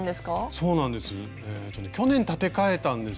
そうなんです